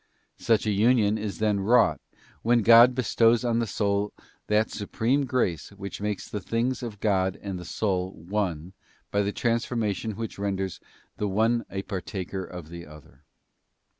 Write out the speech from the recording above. Such an union is then wrought when God bestows on the soul that supreme grace which makes the things of God and the soul one by the transformation whith renders the one a partaker of the other.